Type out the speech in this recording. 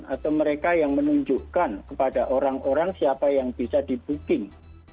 atau mereka yang menunjukkan kepada orang orang siapa yang bisa di booking